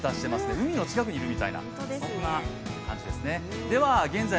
海の近くにいるみたいな、そんな感じですね。